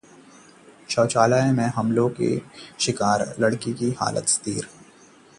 शौचालय में हमले की शिकार लड़की की हालत स्थिर